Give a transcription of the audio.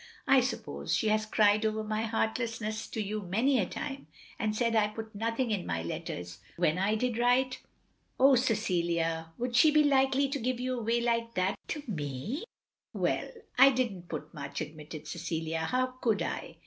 I suppose she has cried over my heartlessness to you many a time, and said I put nothing in my letters when I did write?" "Oh, Cecilia, would she be likely to give you away like that to me!'* " Well — I did n't put much, " admitted Cecilia. "How could I?